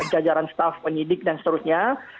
jajaran staff penyidik dan seterusnya